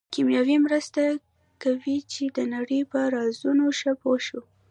کیمیا مرسته کوي چې د نړۍ په رازونو ښه پوه شو.